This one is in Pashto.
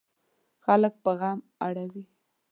خلک په غم اړوي.